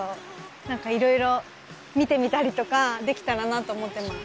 何か色々見てみたりとかできたらなと思ってます。